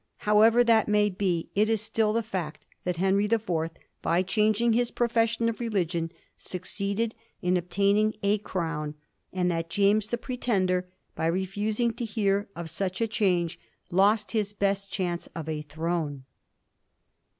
However that may be, it is still the fiswt that Henry the Fourth, by chang ing his profession of religion, succeeded in obtaining a crown, and that James the Pretender, by refusing to hear of such a change, lost his best chance of a throne.